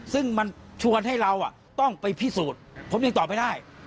ซึ่งมันชวนให้เราต้องไปพิสูจน์ผมยังตอบไม่ได้